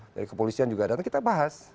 dari kepolisian juga datang kita bahas